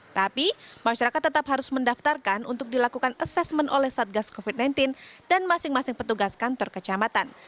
tapi masyarakat tetap harus mendaftarkan untuk dilakukan asesmen oleh satgas covid sembilan belas dan masing masing petugas kantor kecamatan